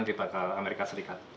ke amerika serikat